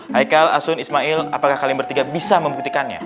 haikal asun ismail apakah kalian bertiga bisa membuktikannya